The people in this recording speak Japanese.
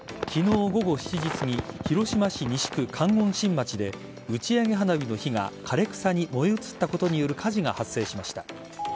昨日午後７時すぎ広島市西区観音新町で打ち上げ花火の火が枯れ草に燃え移ったことによる火事が発生しました。